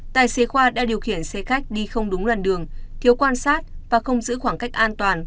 tài xế khoa đã điều khiển xe khách đi không đúng làn đường thiếu quan sát và không giữ khoảng cách an toàn